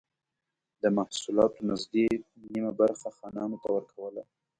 د محصولاتو نږدې نییمه برخه خانانو ته ورکوله.